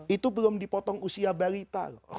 itu belum dipotong usia balita loh